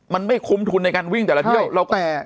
มันไม่คุ้มทุนในการวิ่งแต่ละเที่ยว